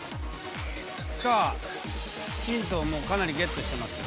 さあヒントはもうかなりゲットしてますよ。